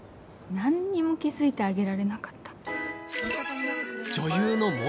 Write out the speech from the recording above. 何にも気付いてあげられなかった。